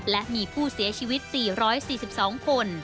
และมีผู้เสียชีวิต๔๔๒คน